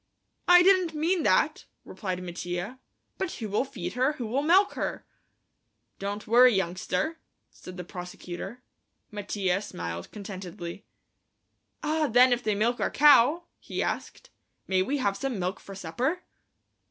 "I didn't mean that," replied Mattia; "but who'll feed her, who'll milk her?" "Don't worry, youngster," said the prosecutor. Mattia smiled contentedly. "Ah, then if they milk our cow," he asked, "may we have some milk for supper?"